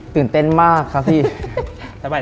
ตื่นเต้นมากครับพี่